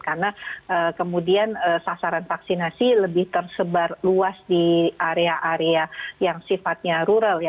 karena kemudian sasaran vaksinasi lebih tersebar luas di area area yang sifatnya rural ya